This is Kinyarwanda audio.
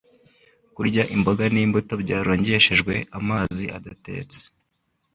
Kurya imboga n'imbuto byarongeshejwe amazi adatetse